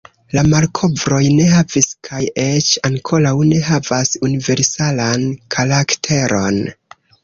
La malkovroj ne havis, kaj eĉ ankoraŭ ne havas, universalan karakteron.